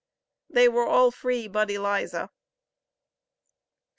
They were all free but Eliza.